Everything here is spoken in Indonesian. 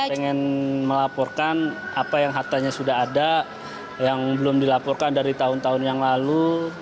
saya ingin melaporkan apa yang hartanya sudah ada yang belum dilaporkan dari tahun tahun yang lalu